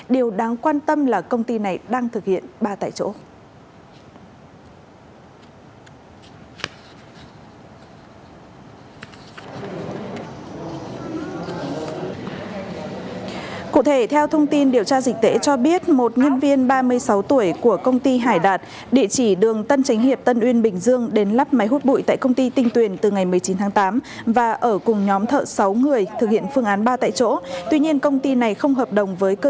điều đáng quan tâm là công ty này đang thực hiện ba tại chỗ